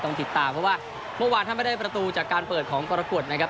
ต้องติดตามเพราะว่าเมื่อวานถ้าไม่ได้ประตูจากการเปิดของกรกฎนะครับ